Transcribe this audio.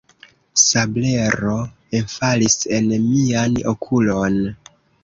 Sablero enfalis en mian okulon.